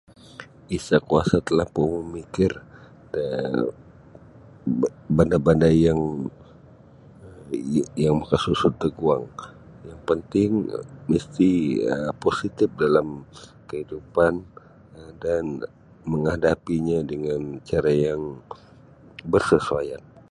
Isa kuasa talampau mamikir da ban-banda yang um yang maka susot da guang yang panting misti um positif dalam kehidupan dan menghadapinya dengan cara yang bersesuaian.